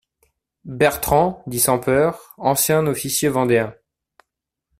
BERTRAND dit SANS-PEUR, ancien officier vendéen.